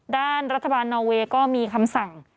ด้านรัฐบาลนอเวย์ก็มีคำสั่ง